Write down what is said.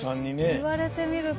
言われてみると。